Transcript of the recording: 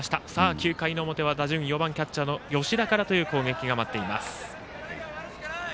９回の表は打順４番キャッチャーの吉田からという攻撃が待っています。